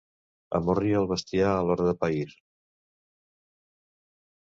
Amorria el bestiar a l'hora de pair.